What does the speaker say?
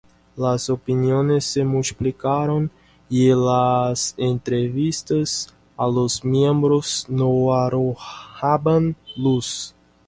Las opiniones se multiplicaron y las entrevistas a los miembros no arrojaban luz.